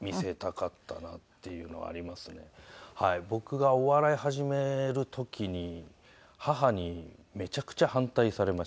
僕がお笑い始める時に母にめちゃくちゃ反対されまして。